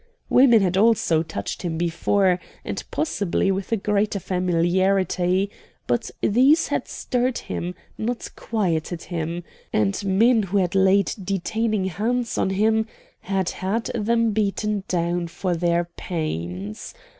Women had also touched him before, and possibly with a greater familiarity; but these had stirred him, not quieted him; and men who had laid detaining hands on him had had them beaten down for their pains.